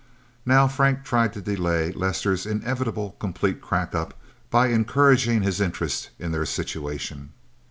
Now Frank tried to delay Lester's inevitable complete crackup by encouraging his interest in their situation.